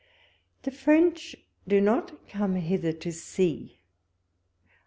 The French do not come hither to see.